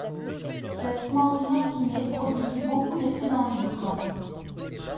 Cette mort inopinée produisit beaucoup d'effet dans les deux camps.